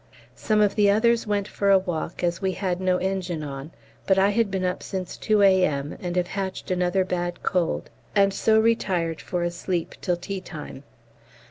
Some of the others went for a walk as we had no engine on, but I had been up since 2 A.M., and have hatched another bad cold, and so retired for a sleep till tea time.